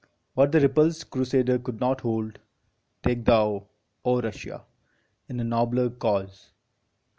What the repulsed Crusader could not hold, Take thou, O Russia! in a nobler cause!